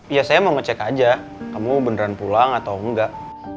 ya saya mau ngecek aja kamu beneran pulang atau enggak